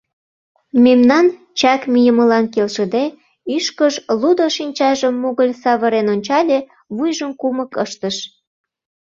Мемнан чак мийымылан келшыде, ӱшкыж лудо шинчажым мугыль савырен ончале, вуйжым кумык ыштыш.